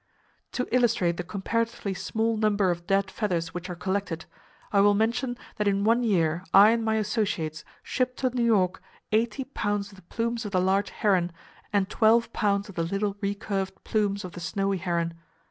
[Page 131] "To illustrate the comparatively small number of dead feathers which are collected, I will mention that in one year I and my associates shipped to New York eighty pounds of the plumes of the large heron and twelve pounds of the little recurved plumes of the snowy heron.